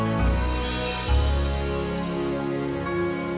ibu capek pak mau rebahan dulu ya